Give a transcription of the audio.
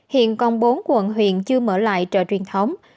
hiện còn bốn quận huyện chưa mở lại chợ truyền thống